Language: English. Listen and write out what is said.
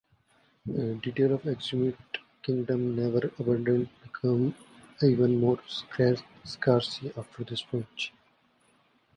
Details of the Axumite Kingdom, never abundant, become even more scarce after this point.